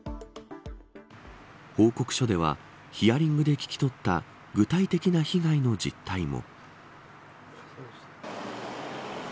報告書ではヒアリングで聞き取った具体的な被害の実態も。